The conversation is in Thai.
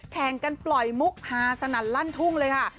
แข่งกันปล่อยมุกฮาสนั่นลั่นทุ่งเลยค่ะ